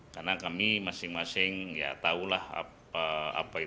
karena kami masing masing ya tahulah apa itu